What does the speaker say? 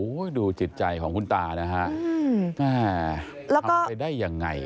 โหดูจิตใจของคุณตานะฮะทำไปได้อย่างไร